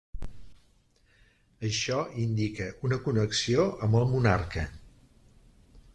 Això indica una connexió amb el monarca.